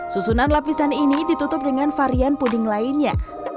susunan lapisan ini ditutup dengan varian puding lainnya